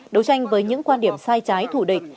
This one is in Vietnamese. đấu tranh với những quan điểm sai trái thù địch